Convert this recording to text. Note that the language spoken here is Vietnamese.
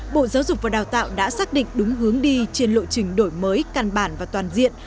bộ giáo dục và đào tạo đã xác định đúng hướng đi trên lộ trình đổi mới căn bản và toàn diện